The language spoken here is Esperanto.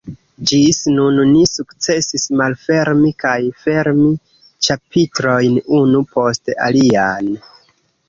Ĝis nun ni sukcesis malfermi kaj fermi ĉapitrojn unu post alian.